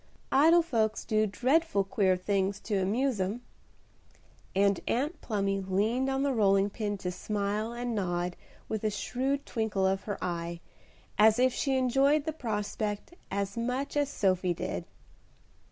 Idle folks do dreadful queer things to amuse 'em;" and Aunt Plumy leaned on the rolling pin to smile and nod with a shrewd twinkle of her eye, as if she enjoyed the prospect as much as Sophie did.